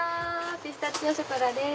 ピスタチオショコラです。